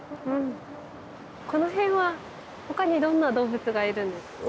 この辺はほかにどんな動物がいるんですか？